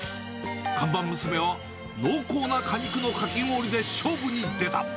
看板娘は濃厚な果肉のかき氷で勝負に出た。